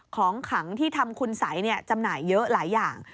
ของขังที่ทำคุณสัยจำหน่ายเยอะหลายอย่าง